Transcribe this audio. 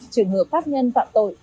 trường hợp pháp nhân phạm tội